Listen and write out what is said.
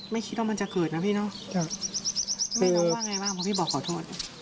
ไม่คิดว่ามันจะเกิดนะพี่เนอะแม่น้องว่าไงบ้างเพราะพี่บอกขอโทษ